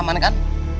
gak ada yang liat kalian